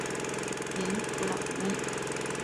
盐土老翁。